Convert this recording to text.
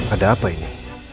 ada apa ini